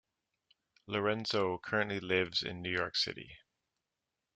Lorenzo currently lives in New York City.